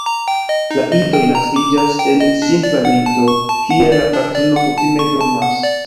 La idoj naskiĝas en simpla lito, kie la patrino kutime dormas.